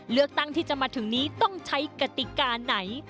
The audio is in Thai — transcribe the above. เลือกตั้งที่จะมาถึงนี้ต้องใช้กติกาไหน